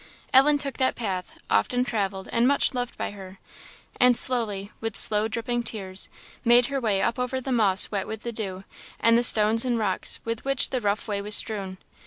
Ellen took that path, often travelled and much loved by her; and slowly, with slow dripping tears, made her way up over moss wet with the dew, and the stones and rocks with which the rough way was strewn.